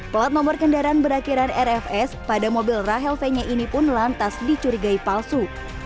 plat nomor kendaraan berakhiran rfs pada mobil rahel fenya ini pun lantas dicurigai palsu